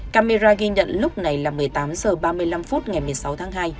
camera ghi nhận lúc này là một mươi tám h ba mươi năm phút ngày một mươi sáu tháng hai